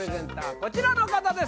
こちらの方です